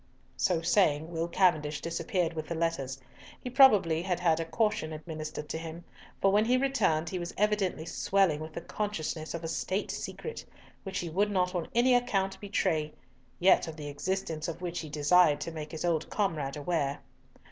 So saying, Will Cavendish disappeared with the letters. He probably had had a caution administered to him, for when he returned he was evidently swelling with the consciousness of a State secret, which he would not on any account betray, yet of the existence of which he desired to make his old comrade aware.